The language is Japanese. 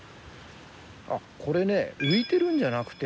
あっこれね浮いてるんじゃなくて。